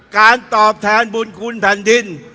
การตอบแทนบุญคุณแผ่นดิน